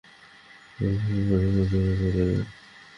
এখন এখান থেকে চলে যান।